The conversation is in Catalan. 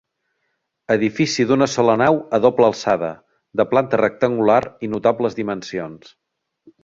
Edifici d'una sola nau a doble alçada, de planta rectangular i notables dimensions.